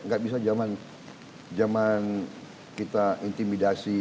gak bisa zaman kita intimidasi